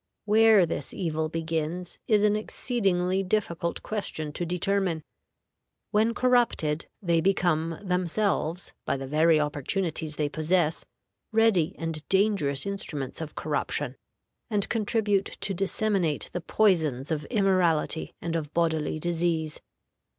Where this evil begins is an exceedingly difficult question to determine. When corrupted, they become themselves, by the very opportunities they possess, ready and dangerous instruments of corruption, and contribute to disseminate the poisons of immorality and of bodily disease.